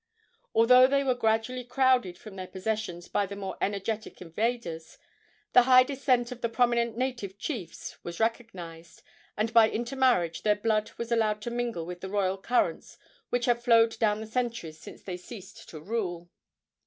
Although they were gradually crowded from their possessions by their more energetic invaders, the high descent of the prominent native chiefs was recognized, and by intermarriage their blood was allowed to mingle with the royal currents which have flowed down the centuries since they ceased to rule.